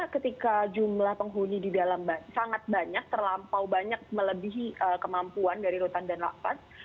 ketika jumlah penghuni di dalam sangat banyak terlampau banyak melebihi kemampuan dari rutan dan lapas